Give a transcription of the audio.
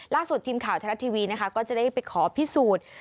ทีมข่าวไทยรัฐทีวีนะคะก็จะได้ไปขอพิสูจน์